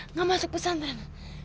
nggak masuk pesantren